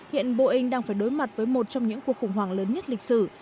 hiện boeing đang phải đối mặt với một trong những cuộc khủng hoảng lớn nhất lịch sử